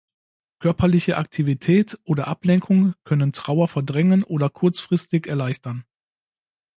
Körperliche Aktivität oder Ablenkung können Trauer verdrängen oder kurzfristig erleichtern.